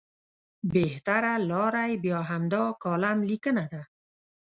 بهتره لاره یې بیا همدا کالم لیکنه ده.